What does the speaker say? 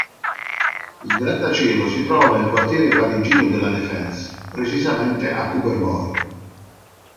Il grattacielo si trova nel quartiere parigino de La Défense, precisamente a Courbevoie.